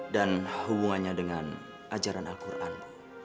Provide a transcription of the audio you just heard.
dan hubungannya dengan ajaran al quran bu